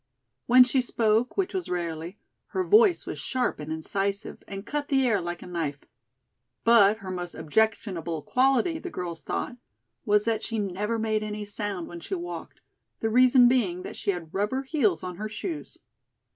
When she spoke, which was rarely, her voice was sharp and incisive, and cut the air like a knife. But her most objectionable quality, the girls thought, was that she never made any sound when she walked, the reason being that she had rubber heels on her shoes.